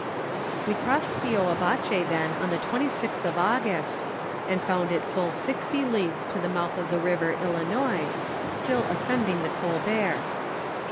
"We crossed the Oiiabache then on the 26th of August, and found it full sixty leagues to tlie mouth of the river Ilinois, still ascending the Colbert.